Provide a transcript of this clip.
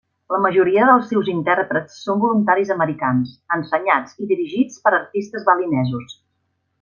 La majoria dels seus intèrprets són voluntaris americans, ensenyats i dirigits per artistes balinesos.